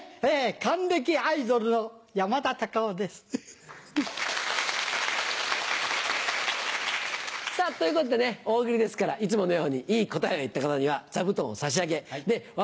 還暦アイドルの山田隆夫です。ということでね「大喜利」ですからいつものようにいい答えを言った方には座布団を差し上げで悪いと取ったりなんかして